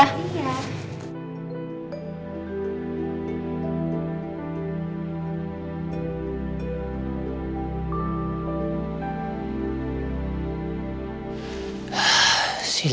sampai sekarang ada kabarnya sama sekali